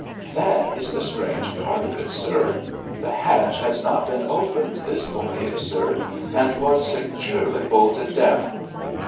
"That is the strange part of it, sir. The hatch has not been opened this voyage, sir, and was securely bolted down."